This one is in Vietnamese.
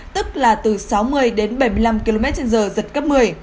tức là từ sáu mươi đến bảy mươi năm km trên giờ giật cấp một mươi